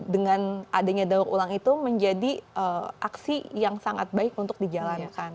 dengan adanya daur ulang itu menjadi aksi yang sangat baik untuk dijalankan